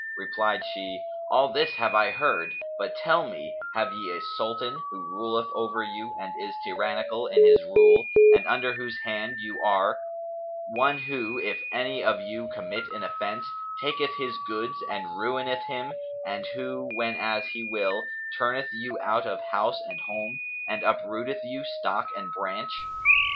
Replied she, "All this have I heard: but tell me, have ye a Sultan who ruleth over you and is tyrannical in his rule and under whose hand you are; one who, if any of you commit an offence, taketh his goods and ruineth him and who, whenas he will, turneth you out of house and home and uprooteth you, stock and branch?"